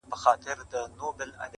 • دوه شعرونه لیدلي دي -